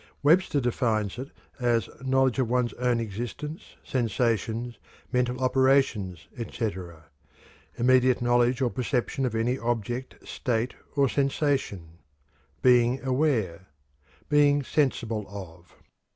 Webster defines it as "knowledge of one's own existence, sensations, mental operations, etc.; immediate knowledge or perception of any object, state, or sensation; being aware; being sensible of."